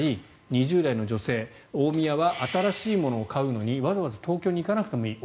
２０代の女性大宮は新しいものを買うのにわざわざ東京に行かなくてもいい。